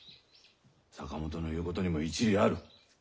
坂本の言うことにも一理ある。